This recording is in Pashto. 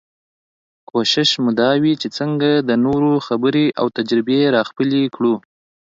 کوشش مو دا وي چې څنګه د نورو خبرې او تجربې راخپلې کړو.